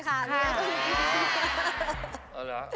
อ๋อเหรอใจหายแบบนี้